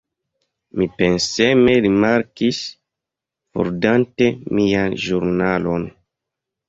Mi penseme rimarkis, faldante mian ĵurnalon.